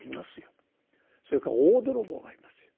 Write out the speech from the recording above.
それから大泥棒がいますよ。